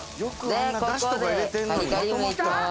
でここでカリカリ梅いきます。